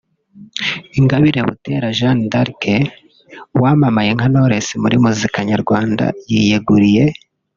Ingabire Butera Jean d’Arc wamamaye nka Knowless muri muzika nyarwanda yiyeguriye